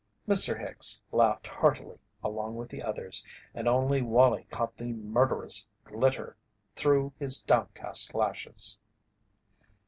Mr. Hicks laughed heartily along with the others, and only Wallie caught the murderous glitter through his downcast lashes.